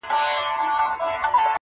د عِلم تخم ته هواري کړی د زړو کروندې،